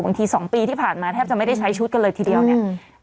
บางทีสองปีที่ผ่านมาแทบจะไม่ได้ใช้ชุดก็เลยทีเดียวอืม